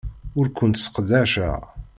Ur kent-sseqdaceɣ.